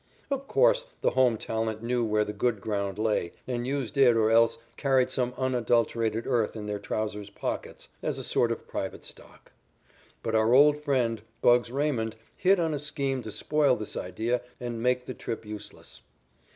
Of course, the home talent knew where the good ground lay and used it or else carried some unadulterated earth in their trousers' pockets, as a sort of private stock. But our old friend "Bugs" Raymond hit on a scheme to spoil this idea and make the trick useless.